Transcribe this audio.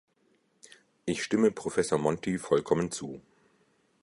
Ich stimme Professor Monti vollkommen zu.